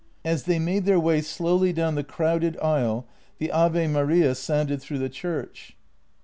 As they made their way slowly down the crowded aisle, the Ave Maria sounded through the church.